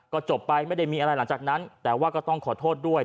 ก็จบไปไม่ได้มีอะไรหลังจากนั้นแต่ว่าก็ต้องขอโทษด้วย